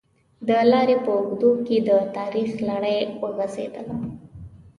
د لارې په اوږدو کې د تاریخ لړۍ وغزېدله.